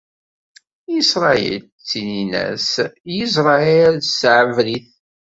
Isṛayil ttinin-as Yisrael s tɛebrit.